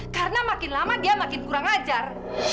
karena makin lama dia makin kurang ajar